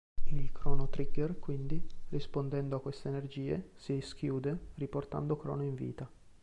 Il Chrono Trigger quindi, rispondendo a queste energie, si schiude riportando Crono in vita.